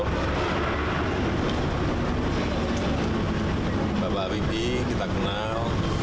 bapak habibie kita kenal